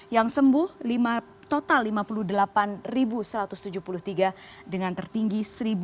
yang sembuh total lima puluh delapan satu ratus tujuh puluh tiga dengan tertinggi satu dua ratus